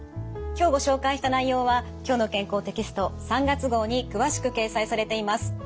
今日ご紹介した内容は「きょうの健康」テキスト３月号に詳しく掲載されています。